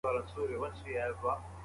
کرني پوهنځۍ بې هدفه نه تعقیبیږي.